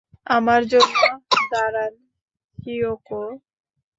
আমার জন্য দাঁড়ান, চিয়োকো!